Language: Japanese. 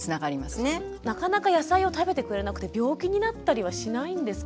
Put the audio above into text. なかなか野菜を食べてくれなくて病気になったりはしないんですか？